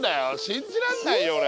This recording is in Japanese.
信じらんないよ俺。